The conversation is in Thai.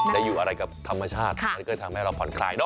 จะอยู่อะไรกับธรรมชาติมันก็ทำให้เราผ่อนคลายเนอ